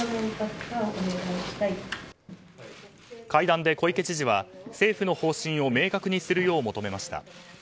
会談で小池知事は政府の方針を明確にするよう求めました。